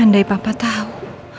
andai papa tau